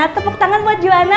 tepuk tangan buat joana